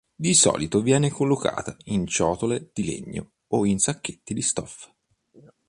Di solito viene collocata in ciotole di legno, o in sacchetti di stoffa.